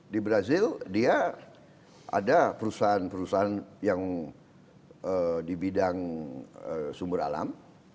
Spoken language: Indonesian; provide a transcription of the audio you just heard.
di brazil dia ada perusahaan perusahaan yang di bidang sumber alam